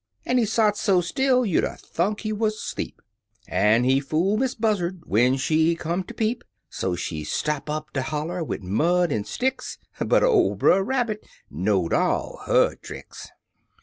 An' he sot so still, you'd 'a' thunk he wuz 'sleep, An' he fool Miss Buzzard when she come ter peep; So she stop up de holler wid mud an' sticks — But ol' Brer Rabbit know'd all er her tricks.